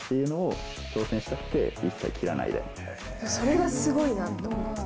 それがすごいなと。